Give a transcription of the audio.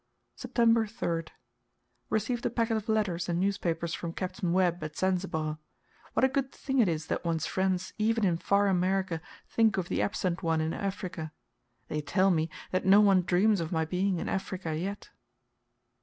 September 3rd. Received a packet of letters and newspapers from Capt. Webb, at Zanzibar. What a good thing it is that one's friends, even in far America, think of the absent one in Africa! They tell me, that no one dreams of my being in Africa yet!